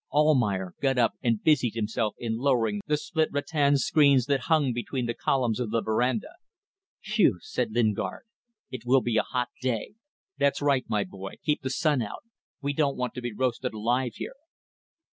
Almayer got up and busied himself in lowering the split rattan screens that hung between the columns of the verandah. "Phew!" said Lingard, "it will be a hot day. That's right, my boy. Keep the sun out. We don't want to be roasted alive here."